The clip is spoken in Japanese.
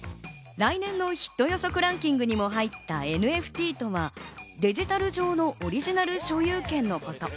来年のヒット予測ランキングにも入ったＮＦＴとは、デジタル上のオリジナル所有権のこと。